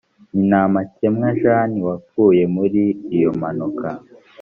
ni ntamakemwe jean wapfuye muri iyo mpanuka